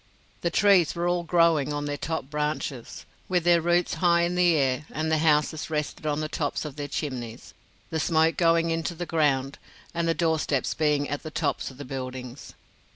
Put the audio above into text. The trees were all growing on their top branches, with their roots high in the air; and the houses rested on the tops of their chimneys, the smoke going into the ground, and the doorsteps being at the tops of the buildings.